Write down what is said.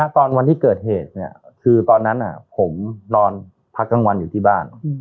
ตอนวันที่เกิดเหตุคือตอนนั้นผมนอนพักกลางวันอยู่ที่บ้าน